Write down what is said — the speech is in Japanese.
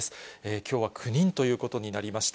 きょうは９人ということになりました。